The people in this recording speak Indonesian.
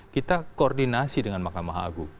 kita koordinasi dengan mahkamah agung